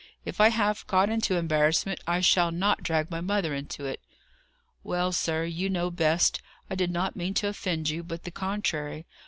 If I have got into embarrassment, I shall not drag my mother into it." "Well, sir, you know best. I did not mean to offend you, but the contrary.